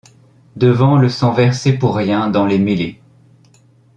Devant le sang versé pour rien dans les mêlées